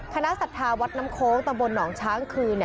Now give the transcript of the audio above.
ศรัทธาวัดน้ำโค้งตำบลหนองช้างคืน